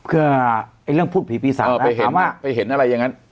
ก็ไอ้เรื่องพูดผีปีสามแล้วเออไปเห็นไปเห็นอะไรอย่างนั้น